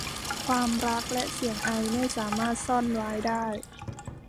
ความรักและเสียงไอ ไม่สามารถซ่อนไว้ได้